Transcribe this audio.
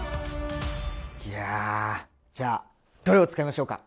いやじゃあどれを使いましょうか？